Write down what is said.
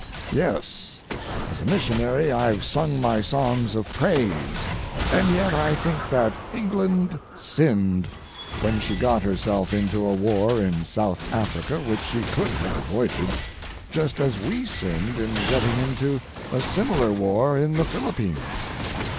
Yes, as a missionary I've sung my songs of praise. And yet I think that England sinned when she got herself into a war in South Africa which she could have avoided, just as we sinned in getting into a similar war in the Philippines.